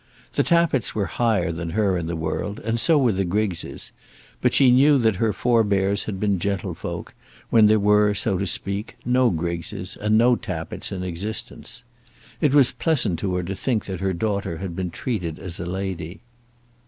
The Tappitts were higher than her in the world, and so were the Griggses. But she knew that her forbears had been gentlefolk, when there were, so to speak, no Griggses and no Tappitts in existence. It was pleasant to her to think that her daughter had been treated as a lady.